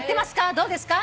どうですか？